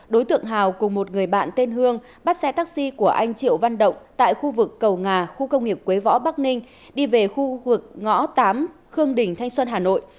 đối tượng hào cùng một người bạn tên hương bắt xe taxi của anh triệu văn động tại khu vực cầu ngà khu công nghiệp quế võ bắc ninh đi về khu vực ngõ tám khương đình thanh xuân hà nội